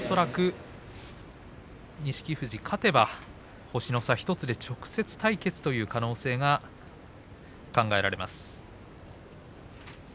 ですから恐らく錦富士、勝てば星の差１つで直接対決の可能性が考えられます。